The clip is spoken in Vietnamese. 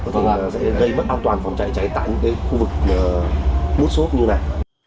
thì sẽ gây bất an toàn phòng cháy cháy tại những cái khu vực mút xốp như này